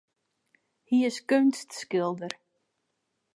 Hy is keunstskilder.